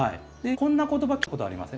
こんな言葉聞いたことありません？